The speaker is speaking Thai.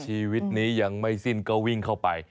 ชีวิตนี้ยังไม่สิ้นก็วิ่งเข้าไป